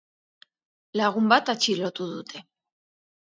Lagun bat atxilotu dute.